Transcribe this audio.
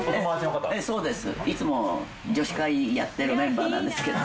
そうです、いつも女子会やってるメンバーなんですけど。